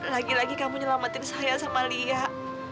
lagi lagi kamu nyelamatin saya sama lia